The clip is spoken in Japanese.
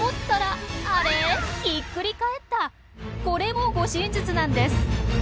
これも護身術なんです。